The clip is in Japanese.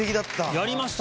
やりましたね